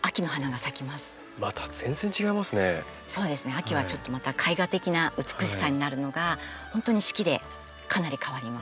秋はちょっとまた絵画的な美しさになるのが本当に四季でかなり変わります。